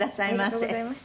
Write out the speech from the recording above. ありがとうございます。